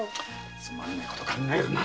つまらねえこと考えるな。